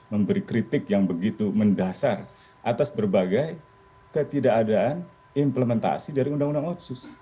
memberi kritik yang begitu mendasar atas berbagai ketidakadaan implementasi dari undang undang otsus